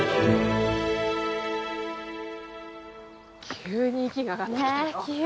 急に息が上がってきたよ。